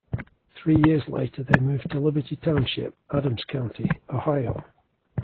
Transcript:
Three years later, they moved to Liberty Township, Adams County, Ohio.